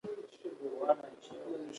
د دې پاڅونونو مشري د ګیوم په نوم شخص کوله.